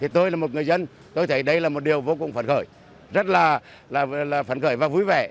tôi là một người dân tôi thấy đây là một điều vô cùng phấn khởi rất là phấn khởi và vui vẻ